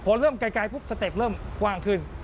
พอเริ่มไกลปุ๊บสเต็ปเริ่มกว้างขึ้น